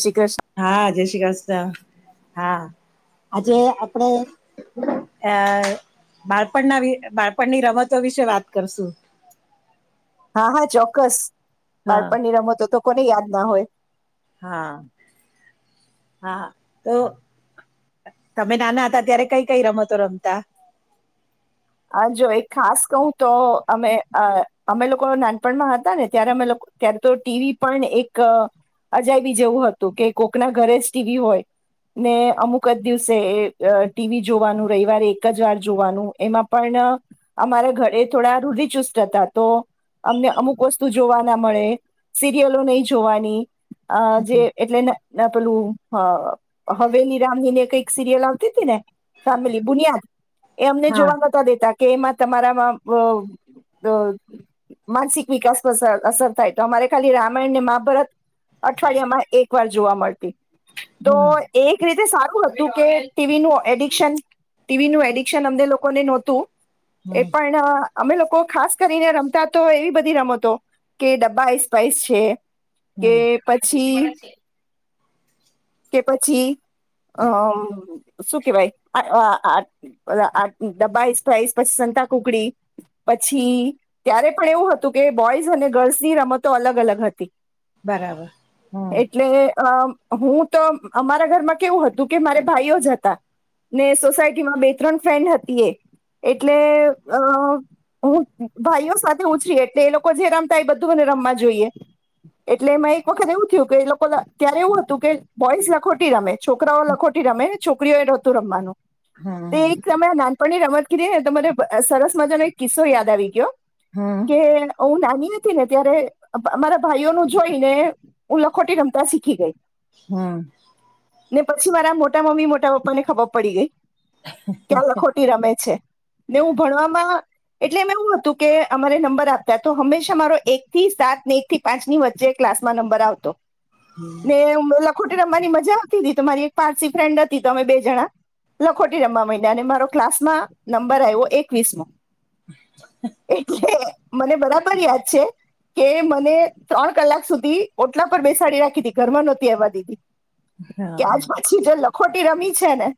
શ્રી કૃષ્ણ હા, જય શ્રી ક્રિષ્ના. હા આજે આપણે, આ બાળપણના બાળપણની રમતો વિશે વાત કરશું. હા, હા ચોક્કસ. હા બાળપણ નીરામા જો તો. કોને યાદ ના હોય. હા, હા તો તમે નાના હતા ત્યારે કઈ કઈ રમતો રમતા. હ જો એક ખાસ કહું, તો અમે અમે લોકો નાનપણમાં હતા ને ત્યારે અમે લોકો ત્યારે તો ટીવી પણ એક અજાવી જેવું હતું કે કોકના ઘરે જ ટીવી હોય, ને અમુક જ દિવસે ટીવી જોવાનું રવિવારે એક જ વાર જોવાનું એમાં. પણ અમારા ઘરે થોડા રૂધિચુસ્ત હતા, તો અમને અમુક વસ્તુ જોવા ના મળે સિરિયલો નહીં જોવાની. અ જે એટલે. ના પેલું હા. હવેલી રામને કઈ. સિરિયલ આવતી હતી ને ફેમિલી બુનિયાદ. એ અમને હા જોવા. તા કે એમાં તમારામાં માનસિક વિકાસ પર અસર થાય, તો અમારે ખાલી રામાયણ ને મહાભારત અઠવાડિયામાં એક વાર જોવા મળતી તો હમ એક રીતે સારું હતું તુ કે ટીવી નું. એડિક્શન. ટીવીનું એડિક્શન અમને લોકોને નહો તું. એ હમ પણ. અમે લોકો ખાસ કરીને રમતા તો, એવી બધી રમતો કે ડબ્બાઇ સ્પાઈસ છે. કે હમ પછી. [unintelligible] કે પછી અમ શું કેવાયબબાઈઇસ, પછી સંતા કુકડી, પછી ત્યારે પણ એવું હતું કે, બોઈઝ અને, ગર્લ્સ ની રમતો અલગ અલગ હતી. બરાબર હમ એટલે આ. આહું. તો અમારા ઘરમાં કેવું હતું કે મારે ભાઈઓ જ હતા, ને સોસાયટીમાં બે ત્રણ ફ્રેન્ડ હતી, એ એટલે અ હું ભાઈઓ સાથે ઉછરી એટલે એ લોકો જે રમતા એ બધું મને રમવા જોઈએ, એટલે મે એક વખત એવું થયું કે એ લોકો ત્યારે એવું હતું કે. બોઇસ લખોટી રમે, છોકરાઓ લખોટી રમે, છોકરીઓ એ નતું રમવાનું. હમ તે હમ એક્રમના. પણ એ રમત કીધી ને તો મને સરસ મજાનો એક કિસ્સો યાદ આવી ગયો. હમ કે હું નાની ને ત્યારે અમારા ભાઈઓ નું જોઈને હું લખોટી રમતા શીખી ગઈ હમ ને પછી મારા મોટા મમ્મી મોટા પપ્પા ને ખબર પડી ગઈ ક્યાં લખોટી રમે છે ને હું ભણવામાં એટલે મેમે એવું હતું કે અમારે નંબર આપતા તો હંમેશા મારો એક થી સાત ને એક થી પાંચની વચ્ચે ક્લાસમાં નંબર આવતો મે [inaudible] લખોટી રમવાની મજા આવતી હતી તો મારી એક પારસી ફ્રેન્ડ હતી તો અમે બે જણા લખોટી રમવા માંડ્યા અને મારો ક્લાસમાં નંબર આવ્યો એકવીસ મોો [inaudible] મને બરાબર યાદ છે કે મને ત્રણ કલાક સુધી ઓટલા પર બેસાડી રાખી હતીી ઘરમાં નહોતી આવવા દીી હા હા ત્યાંજ પછી જ ખોટી રમી છે ને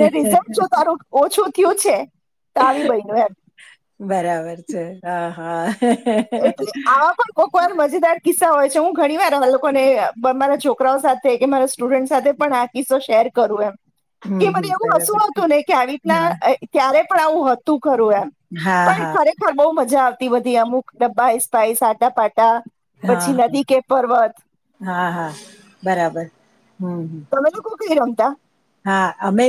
ને રિઝલ્ટ જો તારું ઓછું થ્યું છે તો આવી બન્યું એમ [inaudible] બરાબર છે હા હા એટલે આવા પણ કોક વાર મજેદાર કિસ્સા હોય છે હું ઘણી વાર અ લોકોને મારા છોકરાઓ સાથે કે મારા સ્ટુડન્ટ સાથે પણ આ કિસ્સો શેર કરું એમ હમ કે હમ મને એવું બરાબર છે. હસુંતું ને કે આવી હા રીતના ક્યારે પણ આવું હતું ખરું એમ હા પણ હા ખરેખર બહુ મજા આવેતી તિ બધી અમુક ડબ્બા આઈસ પાઇસ આટા પાટ હા હા હા હા બરાબર હમ હમ ઈ રમતા હા અમે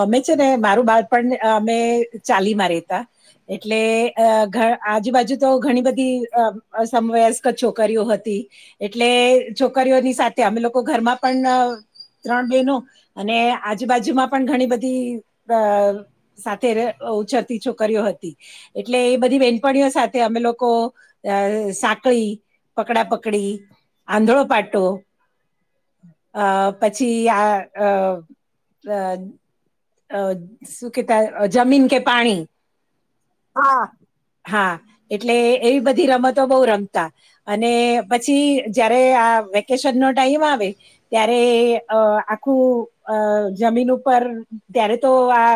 અમે છે ને મારું બાર પણ અમે ચાલી માં રેતા એટલે અ આજુબાજુ તો ઘણી બધી અસમવયસ્ક છોકરીઓ હતી એટલે છોકરીઓની સાથે અમે લોકો ઘરમાં પણ ત્રણ બહેનો અને આજુબાજુમાં પણ ઘણી બધી સાથે ઉછરતી છોકરીઓ હતી એટલે એ બધી બેનપણીઓ સાથે અમે લોકો સાંકળી પકડા પકડી આંધળો પાટો અ પછી આ અ અ અ શું કતા જમીન કે પાણી હા હા એટલે એવી બધી રમતો બહુ રમતા અને પછી જયારે આ વેકેશન નો ટાઈમ આવે ત્યારે આખું જમીન ઉપર ત્યારે તો આ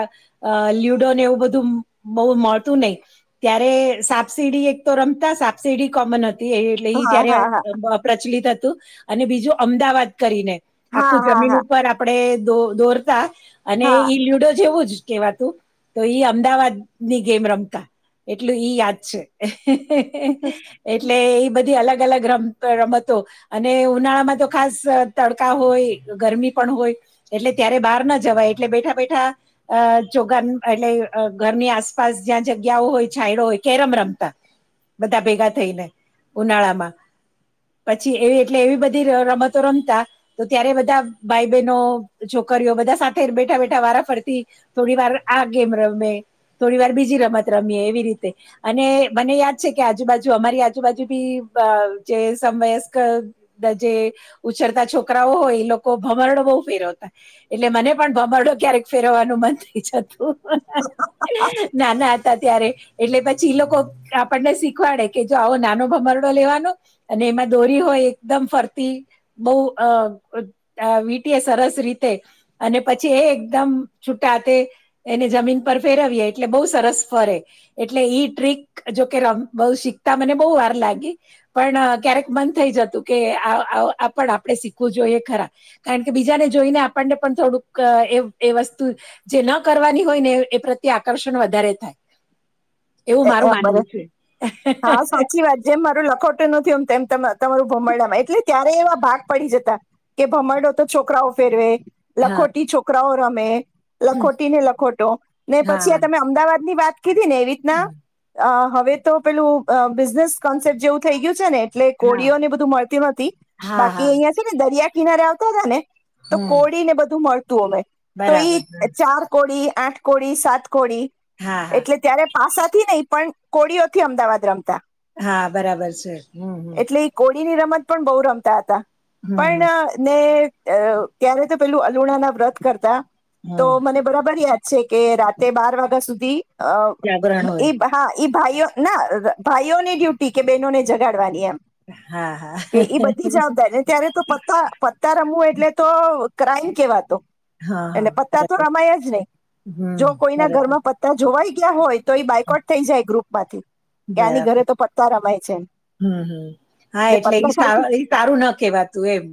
લ્યુડોને એવું બધું બહ મળતું નહીિ ત્યારે સાપસીિડી એક તો રમતા સાપસીિડી કોમન હત એટલે ઈ હા હા હા ત્યારે પ્રચલિત હતી અને બીજું અમદાવાદ કરીને હા આખું હા હા જમીન હા ઉપર આપડે દો દોરતા અને હા ઈ લ્યડો જેવું જ કેવા તું તો ઈ અમદાવાદની ગેમ રમતા. એટલું ઈ યાદ છે. એટલે એઈ બધી અલગ ગલગ રમ અહ રમતો અને ઉનાળામાં તો ખાસ તડકા હોય ગરમી પણ હોય એટલે ત્યારે બહાર ના જવાય એટલે બેઠા બેઠા અહ ચોગાન એટલે ઘરની આસપાસ જ્યાં જગ્યાઓ હોય છાયડો હોય કેરમ રમતા બધા ભેગા થઈને ઉનાળામાં પછી. એવી એટલે એવી બધી રમતો રમતા તો ત્યારે બધા ભાઈ બહેનો છોકરીઓ બધા સાથે બેઠા બેઠા વારાફરતી થોડી વાર આ ગેમ રમે થોડી વાર બીજી રમત રમીએ એવી રીતે અને મને યાદ છે કે આજુબાજુ અમારી આજુબાજુ બી અહ જે સમવયસ્ક દ જે ઉછરતા છોકરાઓ હોય એ લોકો ભમરડો બહુ ફેરવતા એટલે મને પણ ભમરડો ક્યારેક ફેરવવાનું મન થઈ જતું. નાના હતા ત્યારે. એટલે પછી લોકો આપણને શીખવાડે કે જો આવો નાનો ભમરડો લેવાનો અને એમાં દોરી હોય એકદમ ફરતી બહુ અહ અહ વીટીએ સરસ રીતે અને પછી એ એકદમ છૂટાતે એને જમીન પર ફેરવીએ એટલે બહુ સરસ ફરે. એટલે ઈ ટ્રીક જોકે રમ બ શીખતા મને બહુ વાર લાગી પણ ક્યારેક મન થઈ જતું કે આપ આપ આપણે શીખવું જોઈએ ખરા કારણ કે બીજાને જોઈને આપણને પણ થોડુંક એ એ વસ્તુ જે ના કરવાની હોય ને એ પ્રત્યે આકર્ષણ વધારે થાય. એવું એ મારું અમારે માનવું છે હા સાચી વાત જેમ મારું લખોટું નયમ તેમ તમારું ભમરડામાં એટલે ત્યારે એવા ભાગ પડી જતા, કે ભમરડો તો છોકરાઓ ફેરવે. હા લખોટી છોકરાઓ રમે. લખોટી ને લખોટો ને પછી હા હા આ તમે અમદાવાદ ની વાત કીધીટીને રિતના અ હવે તો પેલું બિઝનેસ કોન્સેપ્ટ જેવું થઈ ગયું છે ને. એટલે કોળીઓ ને બધું મળતી નથી, હા હા બાકી અહિયાં છે ને દરિયા કિનારે આવતા જ ને. તો હમ કોળી ને બધું મળતું મે તો ઈ બરાબર હા ચાર કોડી આઠ કડી સાત કોડી, હા હા એટલે ત્યારે પાસ નહી પણ, કોળીઓ થી અમદાવાદ રમ હા બરાબર છે હમ હમ. ની રમત પણ બહુ રમતા હતા. હમ પણ હમ અહ ને અહ ત્યારે તો પેલું અલુણા ના વ્રત કરતા હમ તો મને બરાબર યાદ છે કે રાતે બાર વાગ્યા સુધી અહ જાગરણ હોય એ બ હા ઈ ભાઈઓ ના ભાઈઓની ડ્યુટી કે બહેનોને જગાડવાની એમ. હા હા કે ઈ બધી જવાબદારી ત્યારે તો પતા પત્તા રમવું એટલે તો ક્રાઈમ કેવાતો હા હા એટલે પત્તા તો બરાબર રમાયા જ નહી હમ જો કોઈના બરાબર ઘરમાં પત્તા જોવાય તો હોય. તો એ બાઇકઉટ થઈ જાય ગ્રુપ બાથી બરાબર હમમ હમમ હા એટલે પત્તા ઈ ખાલી સારું સારું ના કેવાતું એમ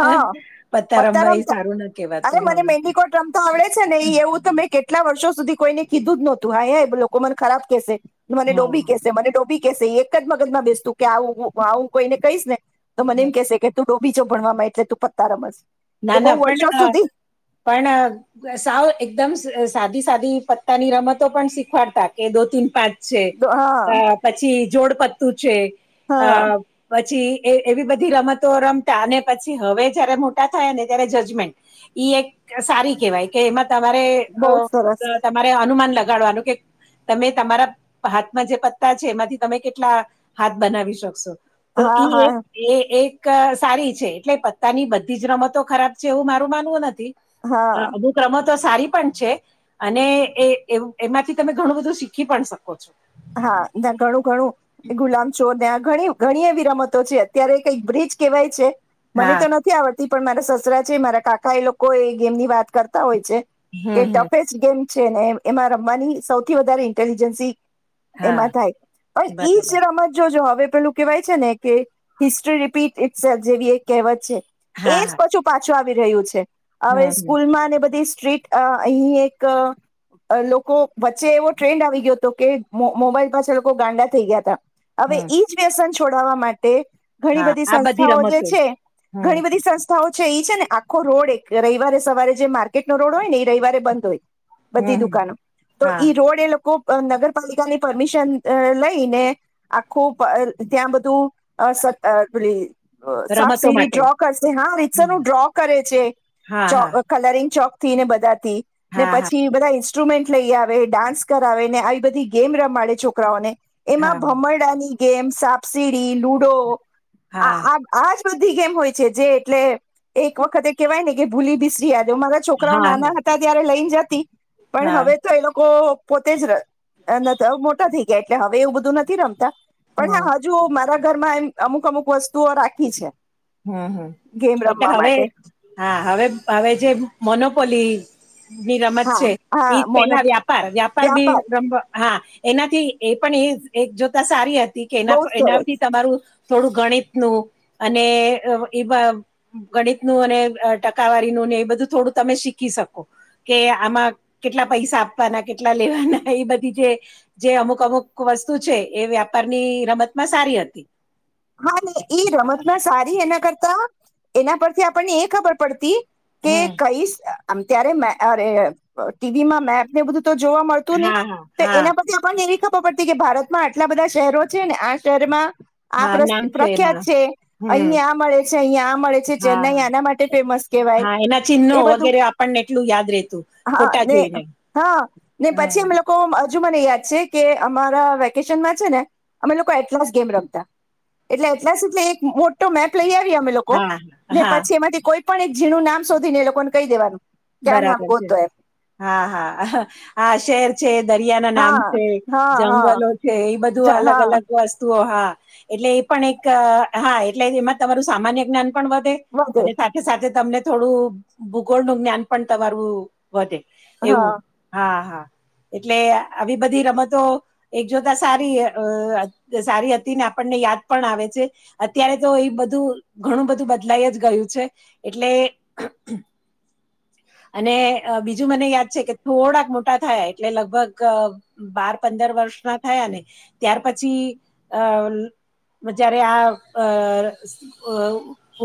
હા પતા પત્તા રમવા એ રમતા સારું ના અરે કેવાતું મને હા. મેન્ડીકોટ રમતા આવડે છે ને એ એવું તો મેં કેટલા વર્ષો સુધી કોઈને કીધું જ નોતુ હાય હે એ લોકો કો મન ખરાબ કેસે મને હા ડોબી હા. કેસે મને ડોબી ડોબી કેસે એક જ મગજમાં બેસતું કે આવું આવું કોઈને કહીશ ને તો મને એમ કેસે કે તું તો બીજો ભણવામાં એટલે તો પત્તા રમેસ ના ના પણ અ પણ સાવ એકદમ સ સાદી સાદી પત્તાની રમતો પણ શીખવાડતા કે દો તીન પાંચ છે અ હા પછી જોડ પત્તું છે. અ હા પછી એ એવી બધી રમતો રમતા અને પછી હવે જયારે મોટા મોટા થયા ને ત્યારે જજમેન્ટ ઈ એક સારી કહેવાય કે એમાં તમારે બહુ અ જ સરસ તમારે અનુમાન લ લગાડવાનું કે તમે તમારા હાથમાં જે પત્તા છે એમાંથી તમે કેટલા હાથ બનાવી શકશો. તો હા ઈ એક હા એ એક અ સારી છે એટલે પત્તા ની બધ બીજી રમતો ખરાબ છે એવું મારું માનવું નથી. હા અમુક રમત તો સારી પણ છે અને એ અ એમાંથી તમે ઘણું બધું શીખી પણ શકો છો. હા ના ઘણું ઘણું ગુલામ ચોર ત્યાં ઘણી ઘણી એવી રમતો છે અત્યારે કઈક બ્રિજ કહેવાય છે. મને હા તો નથી આવડત પણ મારા સસરા છે, મારા કાકા એ લોકો એ ગેમ ની વાત કરતા હોય. છે કે હમ હમ ટફેસ્ટ ગેમ છે ને એમાં રમવાની સૌથી વધારે ઇન્ટેલિજન્સી એમાં હા થાય પણ ઈ બરાબર જ રમત જો જો હવે પેલું કેહેવાય છે ને કે હિસ્ટ્રી રિપીટ ઇટસ જેવી એક કહેવત છે. હા એજ હા પછું પાછ છુ આવી રહ્યું છે. હવે હમ હમ સ્કૂલ માં ને બધી ટ્રી અ અહીં એક લોકો વચ્ચે એવો ટ્રેન્ડ આવી ગયો હતો કે મો મોબાઈલ પાછાડ લોકો ગાંડા થઈ ગયા હતા. હવે હમ ઈ જ વ્યસન છે. છોડાવવા માટે ઘણી હા બધી આ સંસ્થાઓ જે રમતો છે હમ ઘણી બધી સંસ્થાઓ છે એ છે ને આખો રોડ એક રવિવારે સવારે જે માર્કેટ નો રોડ હોય ને એ રવીવારે બંધ હોય. હમ બધી હમ દુકાનો તો હા ઈ રોડ એ લોકો અ નગર પાલિકાની પરમિશન અ લઈને આખું પ ત્યાં બધું અ સ અ‌ પેલી સાપ રમતો સીડી માટે ડ્રો કરશે હા રીસરનું હમ ડ્રો કરે છે હા હા ચો‌ કલરિંગ ચો થી ને બધા ને હા હા પછી બધા ઇન્સ્ટ્રુમેન્ટ લઈ આવે ડાન્સ કરાવે ને આવી બધી ગેમ રમાડે છોકરાઓને એમાં હા ભમરડાની ગેમ સાપસીડી લુડો આ હા આ આજ બધી ગેમ હોય છે જે એટલે એક વખતે કેહેવાય ને કે ભૂલી બિસરી મારા છોકરાઓ હા નાના હા હતા ત્યારે લઈને જ પણ હા હવે તો એ લોકો પોતે જ અ ન તો મોટા થઈ ગયા એટલે હવે એવું બધું નથી રમતા પણ હમ હા હજુ મારા ઘર માં એમ અમુક અમુક વસ્તુઓ રાખી છે. હમ હમ ગેમ એટલે રમવા હવે માટે હા હવે હવે જે મોનોપોલી [inaudible] ની રમત હા છે હા ઈ મોનો પેલા વ્યાપાર વ્યાપાર બી રમ હા એનાથી એ પણ એ એક જોતા સારી હ તી કે એના બહુ જ સરસ એનાથી તમારું થોડું ગણિતનું અને અ એ ગણિતનું અને ટકાવારીનું ને એ બધું થોડું તમે શીખી શકો કે આમાં કેટલા પૈસા આપવાના કેટલા લેવાના એ બધી જે જે અમુક અમુક વસ્તુ છે એ વ્યાપારની રમતમાં સારી હતી. હા ને એ રમતમાં સારી એના કરતા એના પરથી આપણને એ ખબર પડતી કે હમ કઈશ અહ આમ ત્યારે મ આરે ટીવીમાં મેપ ને બધું તો જોવા મળતું નહી હા હા તો હા એના પછી આપણ ને એવી ખ તો પડતી કે ભારતમાં આટલા બધા શહેરો છે ને આ શહેરમાં આ હા નામ પ્રશ્ન છે એના પ્રખ્યાત છે હમ અહી આ મળે છે અહીં આ મળે છે ચેન્નાઈ હા આના માટે ફેમસ કેહેવાય હા એના ચિહ્નો એ બધું વગેરે આપણને એટલું યાદ રેતું હા ફોટા ને જોઈને હા ને હ પછી એમ લોકો હજુ મને યાદ છે કે અમારા વેકેશનમાં છે ને અમે લોકો એટલાસ ગેમ રમતા. એટલે એટલાસ એટલે એક સુધલે મોટો મેપ લઈ આ વે અમે લોકો હા ને હા પછી એમાંથી કોઈ પણ એક ઝીણું નામ શધી ને એ લોકો ને કહી દેવાનું. કે આ નામ બરાબર છે, ગોતો એમ હા હા આ શહેર છે દરિયા ના નામ હા છે હા હા જંગલો છે, એ બધું જ- અલગ હા અલગ વસ્તુઓ હા. એટલે એ પણ એક હા એટલે એમાં તમારું સામાન્ય જ્ઞાન પણ વધે, અને સાથે સાથે તમને થોડું ભૂગોળ નું જ્ઞાન પણ તમારુ વધે, એવું હા હા હા. એટલે આવી બધી રમતો એક જોતા સારી સારી હતી ને આપણને યાદ પણ આવે છે, અત્યારે તો એ બધું ઘણું બધું બદલાઈ જ ગયું છે, એટલે અને બીજું મને યાદ છે કે થોડાક મોટા થયા એટલે લગભગ બાર પંદર વર્ષના થયા ને ત્યાર પછી અ જયારે આ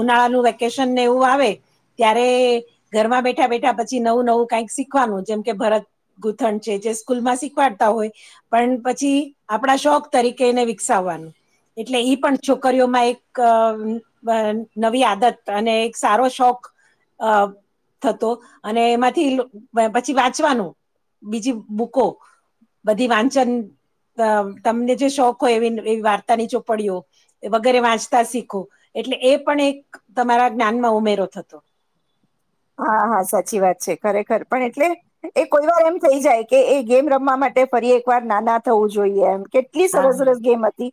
ઉનાળાનું વેકેશનને એવું આવે, ત્યારે ઘરમાં બેઠા બેઠા પછી નવું નવું કઈક શીખવાનું જેમ કે ભરત ગૂથણ છે જે સ્કૂલ માં શીખવાડતા હોય, પણ પછી આપણા શોખ તરીકે એને વિકસાવવાનું. એટલે ઈ પણ છોકરીઓમાં એક અ નવી આદત અને એક સારો શોખ અ થતો અને એમાંથી પછી વાંચવાનું બીજી બુકો બધી વાંચન તમને જે શોખ હોય, એવી એવી વાર્તાની ચોપડીઓ વગેરે વાંચતા શીખો, એટલે એ પણ એક તમારા જ્ઞાનમાં ઉમેરો થતો. હા હા સાચી વાત છે ખરેખર પણ એટલે એ કોઈ વાર એમ થઈ જાય કે એ ગેમ રમવા માટે ફરી એકવાર નાના થવું જોઈએ એમ. કેટલી હા સરસ હા સરસ ગેમ હતી,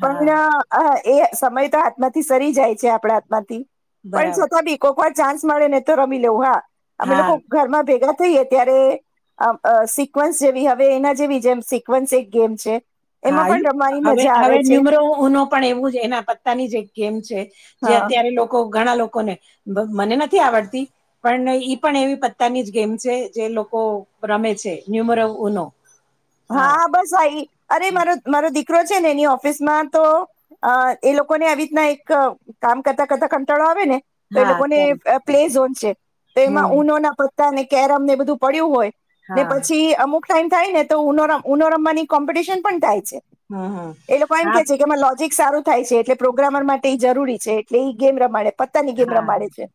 હા પણ આ એ સમય તો હાથમાંથી સરી જાય છે આપણા હાથમાંથી. પણ બરાબર છતાં બી કોકવા જ ચાન્સ મળે ને રમી લવ હા. અમે હા લોકો ઘરમાં ભેગા થઈ એ ત્યારે અહ અહ સિકવન્સ જેવી હવે એના જેવી જેમ સિકવન્સ એક ગેમ છે. હા એમાં યુ પણ રમવાની હવે મજા હવે આવે છે ન્યુમરો ઉનો પણ એવું જ એના પત્તાની જે એક ગેમ છે. જે હા અત્યારે લોકો લોક ઘણા લોકોને મને નથી આવડતી પણ ઈ પણ એવી પત્તાની જ ગેમ છે જે લોકો રમે છે ન્યુમરો ઉનો. હા બસ આ ઈ અરે મારો મારે અહ દીકરો છે ને એની ઓફિસ માં તો અહ એ લોકોને આવી રીતના એક કામ કરતા કરતા કંટાળો આવે ને તો એ હા લોકોને ત્યારે અહ પ્લે ઝોન છે તો હા. એમાં ઉનો ના પ તા ને કેરમ ને બધું પડ્યું હોય ને હા. પછી અમુક ટાઈમ થાય ને તો ઉનોરમ ઉનોરમવાની કોમ્પિટિશન પણ થાય છે. હા, હા. એ લોકો એમ હા, કે છે કે અમાર લો જીક સારું થાય છે એટલે પ્રોગ્રામર માટે એ જરૂરી છે એટલે એ ગેમ રમાડે. પત્તાની ગેમ હા. રમાડે છે.